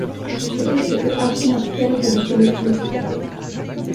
C’était ce que Harry Markel redoutait le plus.